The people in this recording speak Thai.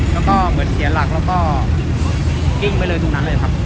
แล้วก็เหมือนเสียหลักแล้วก็กิ้งไปเลยตรงนั้นเลยครับ